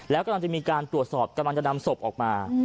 แล้วกำลังจะมีการตรวจสอบกำลังจะนำศพออกมา